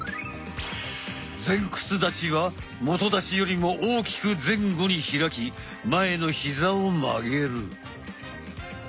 前屈立ちは基立ちよりも大きく前後に開き前の膝を曲げる。